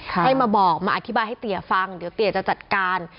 ให้มาบอกมาอธิบายให้เตี๋ยฟังเดี๋ยวเตี๋ยจะจัดการ